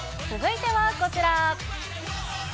続いてはこちら。